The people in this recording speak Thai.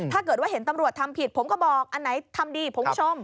ถ้าเกิดว่าเห็นตำรวจทำผิดผมก็บอกอันไหนทำดีผมชม